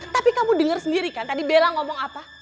tapi kamu dengar sendiri kan tadi bella ngomong apa